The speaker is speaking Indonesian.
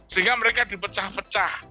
sehingga mereka dipecah pecah